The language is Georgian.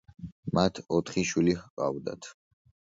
მათ ოთხი შვილი ჰყავდათ.